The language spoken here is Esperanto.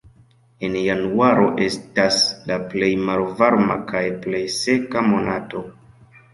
En januaro estas la plej malvarma kaj plej seka monato.